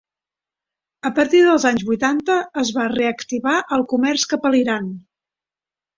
A partir dels anys vuitanta, es va reactivar el comerç cap a l'Iran.